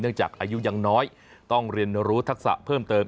จากอายุยังน้อยต้องเรียนรู้ทักษะเพิ่มเติม